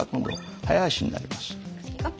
早足になります。